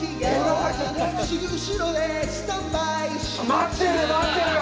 待ってる待ってるわ！